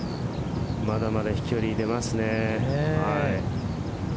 まだまだ飛距離出ますね。